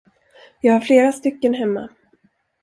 Jag har flera stycken hemma.